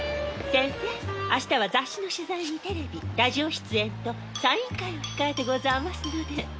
センセ明日は雑誌の取材にテレビラジオ出演とサイン会を控えてござあますので。